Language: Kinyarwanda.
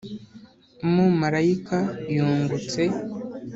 umumarayika yungutse,